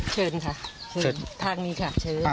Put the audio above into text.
เชิญค่ะเชิญทางนี้ค่ะเชิญ